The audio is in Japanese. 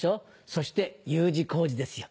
そしてＵ字工事ですよ。